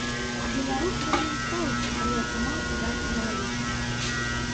Беларус рабіў стаўкі, калі атрымаў удар па галаве.